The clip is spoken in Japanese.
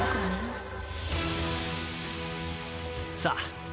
［さあ